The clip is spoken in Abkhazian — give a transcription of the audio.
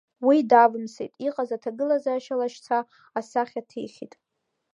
Уи давымсит иҟаз аҭагылазаашьа лашьца, асахьа ҭихит.